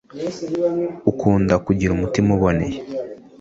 ukunda kugira umutima uboneye,